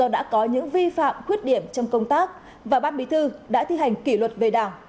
đã có những vi phạm khuyết điểm trong công tác và bát bí thư đã thi hành kỷ luật về đảng